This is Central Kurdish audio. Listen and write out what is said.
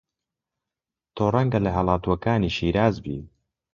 تۆ ڕەنگە لە هەڵاتووەکانی شیراز بی